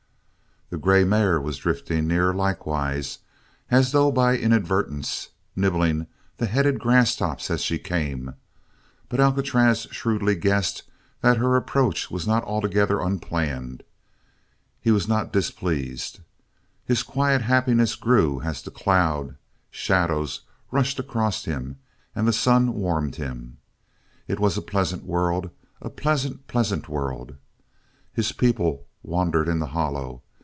The grey mare was drifting near, likewise, as though by inadvertence, nibbling the headed grasstops as she came; but Alcatraz shrewdly guessed that her approach was not altogether unplanned. He was not displeased. His quiet happiness grew as the cloud shadows rushed across him and the sun warmed him. It was a pleasant world a pleasant, pleasant world! His people wandered in the hollow.